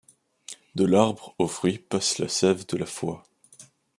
De l'arbre au fruit passe la sève de la foi.